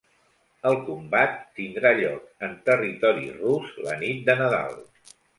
El combat tindrà lloc en territori rus la nit de Nadal.